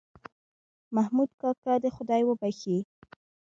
محمود کاکا دې خدای وبښي